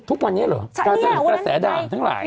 ทุกวันเนี้ยเหรอกระแสด่างทั้งหลายเนี่ย